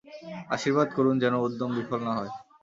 আশীর্বাদ করুন যেন উদ্যম বিফল না হয়।